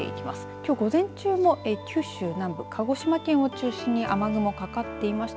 きょう午前中も九州南部、鹿児島県を中心に雨雲かかっていました。